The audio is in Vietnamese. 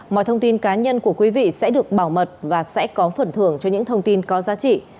mọi thông tin cá nhân của quý vị sẽ được bảo mật và sẽ có phần thưởng cho những thông tin có giá trị